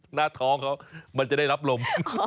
หน้าท้องเขามันจะได้รับลม